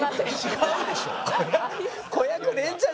違うでしょ。